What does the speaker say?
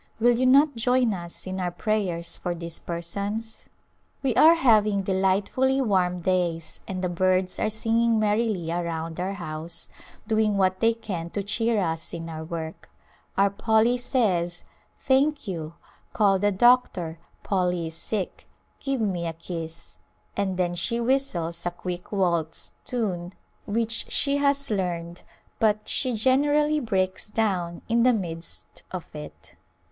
Will you not join us in our prayers for these persons ? We are having delightfully warm days and the birds are singing merrily around our house, doing what they can to cheer us in our work. Our Polly says, " Thank you ! Call the doctor, Polly is sick ! Give me a kiss !" and then she whistles a quick waltz tune which she has learned, but she generally breaks down in the midst of it.